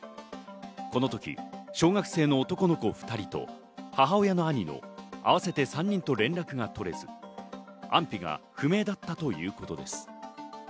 この時、小学生の男の子２人と母親の兄の合わせて３人と連絡が取れず、安否が不明だったということです。